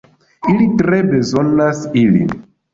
Ili tre bezonas ilin.